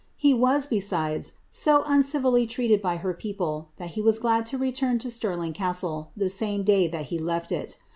He was, besides, 00 uncivilly treated by her people, that he was glad to return to Stirling Gastie the same day that he left it.'